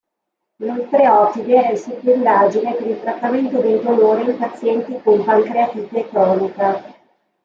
L'otreotide è sotto indagine per il trattamento del dolore in pazienti con pancreatite cronica.